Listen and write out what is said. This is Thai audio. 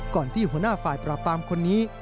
ที่หัวหน้าฝ่ายปราบปรามคนนี้